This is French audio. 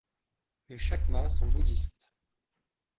Les Chakma sont bouddhistes.